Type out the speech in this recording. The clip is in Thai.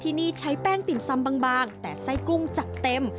ที่นี่ใช้แป้งติ่มซำบางแต่ไส้กุ้งจัดเต็ม